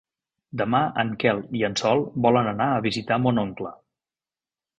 Demà en Quel i en Sol volen anar a visitar mon oncle.